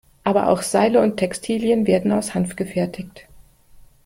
Aber auch Seile und Textilien werden aus Hanf gefertigt.